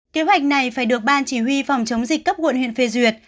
kế hoạch này phải được ban chỉ huy phòng chống dịch cấp quận huyện phê duyệt